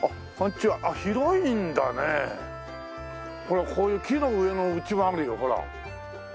ほらこういう木の上の家もあるよほら。